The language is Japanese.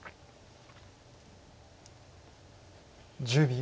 １０秒。